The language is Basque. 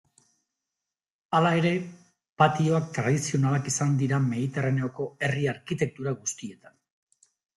Hala ere, patioak tradizionalak izan dira Mediterraneoko herri arkitektura guztietan.